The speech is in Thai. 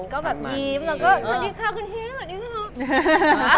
ก็แบบยิ้มแล้วก็สวัสดีค่ะคุณฮิสวัสดีครับ